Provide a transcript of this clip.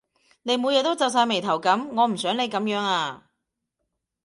你每日都皺晒眉噉，我唔想你噉樣呀